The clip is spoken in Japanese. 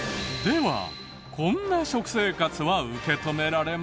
こんな食生活は受け止められますか？